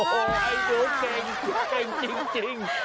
โอ้โหไอโดเก่งเก่งจริง